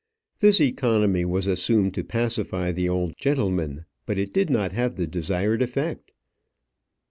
This economy was assumed to pacify the old gentleman; but it did not have the desired effect.